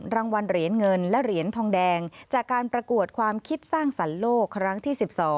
รางวัลเหรียญเงินและเหรียญทองแดงจากการประกวดความคิดสร้างสรรค์โลกครั้งที่๑๒